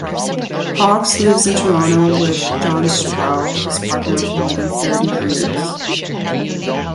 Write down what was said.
Hawkes lives in Toronto with John Sproule, his partner of more than thirty years.